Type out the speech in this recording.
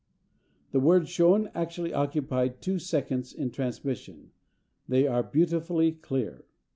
The words shown actually occupied two seconds in transmission. They are beautifully clear.